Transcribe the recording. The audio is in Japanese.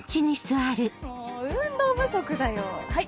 もう運動不足だよはい。